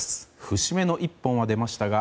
節目の１本は出ましたが